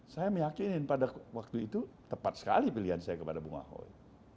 saya meyakini pada waktu itu tepat sekali pilihan saya kepada bunga hoy